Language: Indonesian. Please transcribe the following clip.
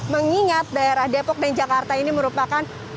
mengingat daerah depok dan jakarta ini merupakan